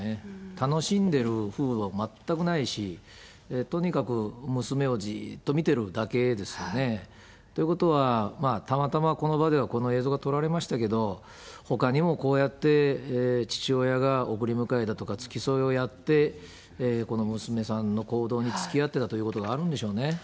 楽しんでいるふうは全くないし、とにかく娘をじっと見ているだけですよね。ということは、たまたまこの場ではこの映像が撮られましたけれども、ほかにもこうやって、父親が送り迎えだとか、付き添いをやって、この娘さんの行動につきあっていたということがあるんでしょうね。